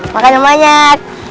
makan yang banyak